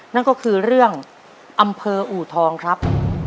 นั่นก็คือเรื่องอำเภออูทองครับ